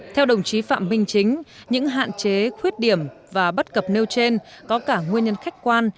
theo đồng chí phạm minh chính những hạn chế khuyết điểm và bất cập nêu trên có cả nguyên nhân khách quan